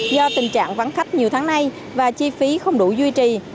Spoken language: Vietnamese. do tình trạng vắng khách nhiều tháng nay và chi phí không đủ duy trì